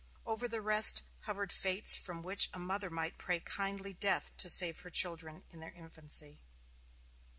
Over the rest hovered fates from which a mother might pray kindly death to save her children in their infancy.